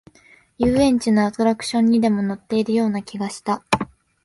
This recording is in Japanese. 遊園地のアトラクションにでも乗っているような気がした